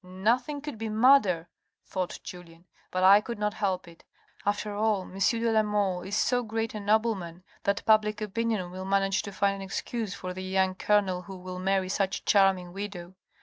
" Nothing could be madder," thought Julien, " but I could not help it. After all, M. de la Mole is so great a nobleman that public opinion will manage to find an excuse for the young colonel who will marry such a charming widow.